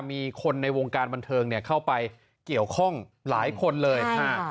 มีคนในวงการบันเทิงเข้าไปเกี่ยวข้องหลายคนเลย